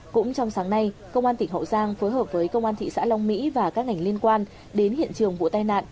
cũng trong sáng nay công an tỉnh hậu giang phối hợp với công an thị xã long mỹ và các ngành liên quan đến hiện trường vụ tai nạn